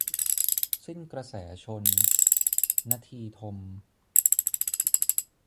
สิ้นกระแสชล - นทีทม